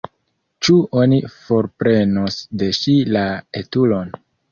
Ĉu oni forprenos de ŝi la etulon?